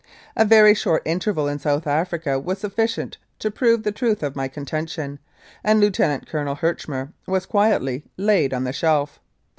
A very short interval in South Africa was sufficient to prove the truth of my contention, and Lieutenant Col. Herchmer was quietly laid on the shelf.